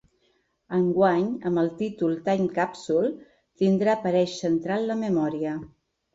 Enguany, amb el títol ‘Time Capsule’, tindrà per eix central la memòria.